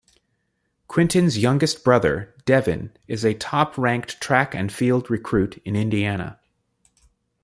Quintin's youngest brother, Devyn, is a top ranked track and field recruit in Indiana.